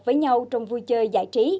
với nhau trong vui chơi giải trí